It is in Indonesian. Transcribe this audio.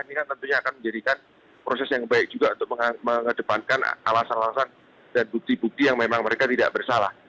ini kan tentunya akan menjadikan proses yang baik juga untuk mengedepankan alasan alasan dan bukti bukti yang memang mereka tidak bersalah